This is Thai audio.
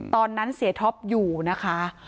ตอนนั้นเสียท็อปอยู่นะคะ